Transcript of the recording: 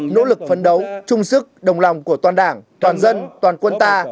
nỗ lực phấn đấu trung sức đồng lòng của toàn đảng toàn dân toàn quân ta